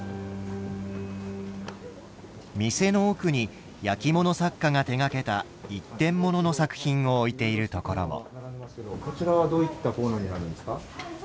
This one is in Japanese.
店の奥に焼き物作家が手がけた一点ものの作品を置いているところも。